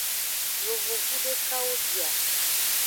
Yovogbu dekawo bia.